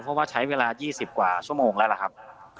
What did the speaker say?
เพราะว่าใช้เวลา๒๐กว่าชั่วโมงแล้วล่ะครับ